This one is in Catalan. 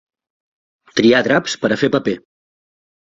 Triar draps per a fer paper.